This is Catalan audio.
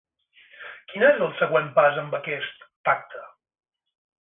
Quin és el següent pas amb aquest pacte?